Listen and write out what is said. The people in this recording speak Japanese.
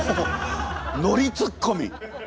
ノリツッコミ！